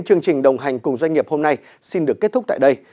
chương trình đồng hành cùng doanh nghiệp hôm nay xin được kết thúc tại đây